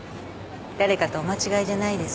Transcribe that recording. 誰かとお間違いじゃないですか？